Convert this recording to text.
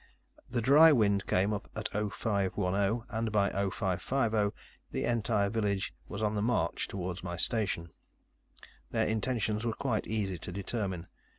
The dry wind came up at 0510, and by 0550, the entire village was on the march toward my station. Their intentions were quite easy to determine.